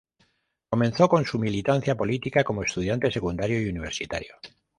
Comenzó con su militancia política como estudiante secundario y universitario.